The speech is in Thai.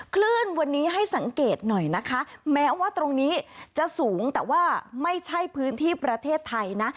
คลื่นวันนี้ให้สังเกตหน่อยนะคะแม้ว่าตรงนี้จะสูงแต่ว่าไม่ใช่พื้นที่ประเทศไทยนะ